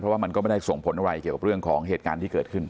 ว่ามันก็ไม่ได้ส่งผลอะไรเกี่ยวกับเรื่องของเหตุการณ์ที่เกิดขึ้น